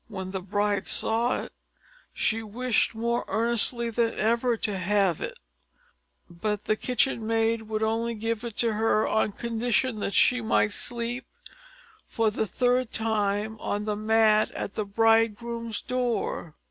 When the bride saw it, she wished more earnestly than ever to have it; but the kitchen maid would only give it to her on condition that she might sleep, for the third time, on the mat at the bridegroom's door.